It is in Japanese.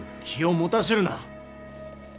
気を持たせるな！